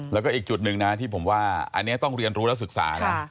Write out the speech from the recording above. แล้วก็อีกจุดหนึ่งนะที่ผมว่าอันนี้ต้องเรียนรู้และศึกษานะ